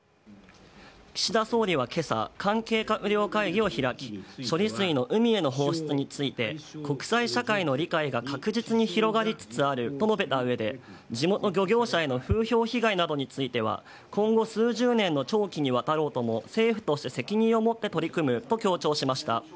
岸田総理はけさ、関係閣僚会議を開き、処理水の海への放出について、国際社会の理解が確実に広がりつつあると述べたうえで、地元漁業者への風評被害については、今後数十年の長期にわたろうとも、政府として責任を持って取り組むと強調しました。